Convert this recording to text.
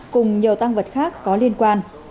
cùng nhiều tăng vật khác có liên quan